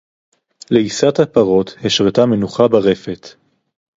לְעִיסַת הַפָּרוֹת הִשְׁרְתָה מְנוּחָה בָּרֶפֶת